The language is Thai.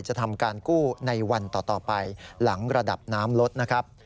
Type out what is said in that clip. จะทำการกู้ในวันต่อไปหลังระดับน้ำลดนะครับ